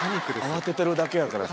慌ててるだけやから。